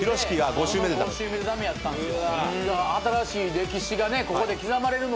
５週目で駄目やったんですよ。